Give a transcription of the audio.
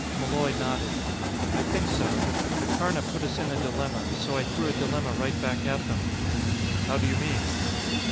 Malloy nodded. "I think so. The Karna put us in a dilemma, so I threw a dilemma right back at them." "How do you mean?"